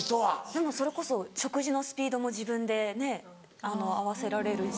でもそれこそ食事のスピードも自分でねっ合わせられるし。